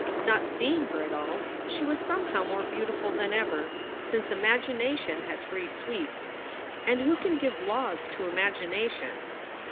Not seeing her at all, she was somehow more beautiful than ever, since imagination had free sweep. And who can give laws to imagination?